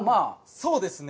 そうですね。